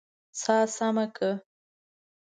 سا سمه که!